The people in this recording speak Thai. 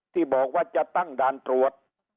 ที่บอกว่าจะตั้งด่านตรวจ